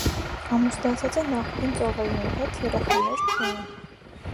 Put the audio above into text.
Ամուսնացած է նախկին ծովայինի հետ, երեխաներ չունի։